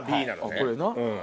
これな。